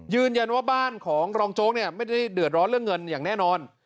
ยืนยันว่าบ้านของรองโจ๊กเนี่ยไม่ได้เดือดร้อนเรื่องเงินอย่างแน่นอน